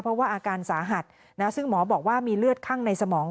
เพราะว่าอาการสาหัสซึ่งหมอบอกว่ามีเลือดข้างในสมอง